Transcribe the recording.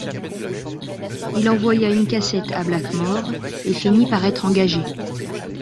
Il envoya une cassette à Blackmore et finit par être engagé.